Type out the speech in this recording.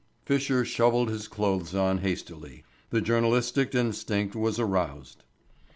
Fisher shovelled his clothes on hastily. The journalistic instinct was aroused.